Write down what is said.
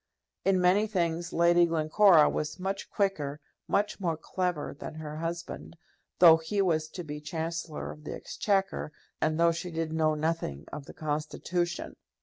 In many things Lady Glencora was much quicker, much more clever, than her husband, though he was to be Chancellor of the Exchequer, and though she did know nothing of the Constitution.